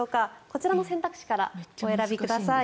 こちらの選択肢からお選びください。